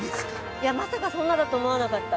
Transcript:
いやまさかそんなだと思わなかった。